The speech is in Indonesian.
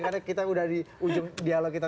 karena kita udah di ujung dialog kita